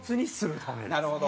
なるほど。